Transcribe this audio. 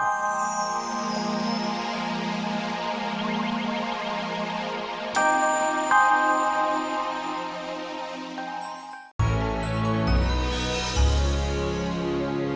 ko ulang ruhu nya gitu